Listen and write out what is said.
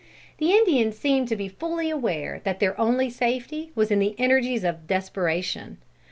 The Indians seemed to be fully aware that their only safety was in the energies of desperation.